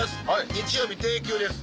日曜日定休です。